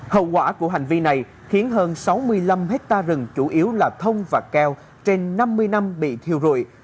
hậu quả của hành vi này khiến hơn sáu mươi năm hectare rừng chủ yếu là thông và keo trên năm mươi năm bị thiêu rụi